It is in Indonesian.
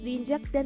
dadah tidak akan